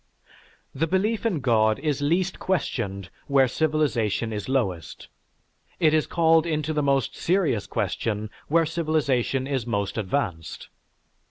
_) The belief in God is least questioned where civilization is lowest; it is called into the most serious question where civilization is most advanced.